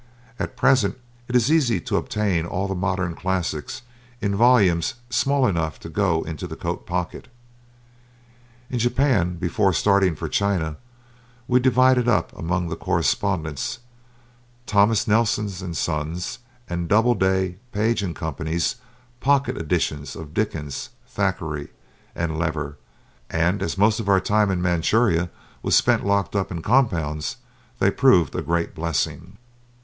At present it is easy to obtain all of the modern classics in volumes small enough to go into the coat pocket. In Japan, before starting for China, we divided up among the correspondents Thomas Nelson & Sons' and Doubleday, Page & Co.'s pocket editions of Dickens, Thackeray, and Lever, and as most of our time in Manchuria was spent locked up in compounds, they proved a great blessing.